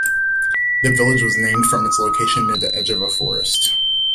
The village was named from its location near the edge of a forest.